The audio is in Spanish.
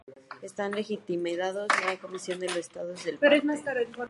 Están legitimados la Comisión y los Estados parte.